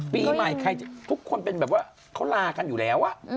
ปีใหม่ใครทุกคนเป็นแบบว่าเขาลากันอยู่แล้ว